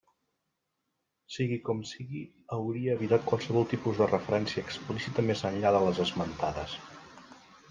Sigui com sigui, hauria evitat qualsevol tipus de referència explícita més enllà de les esmentades.